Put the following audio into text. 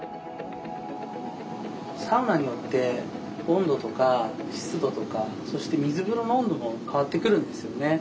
サウナによって温度とか湿度とかそして水風呂の温度も変わってくるんですよね。